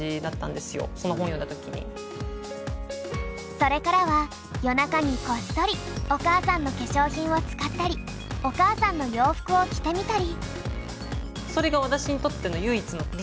それからは夜中にこっそりお母さんの化粧品を使ったりお母さんの洋服を着てみたり。